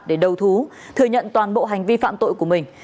để đầu thú thừa nhận toàn bộ hành vi phạm tội của mình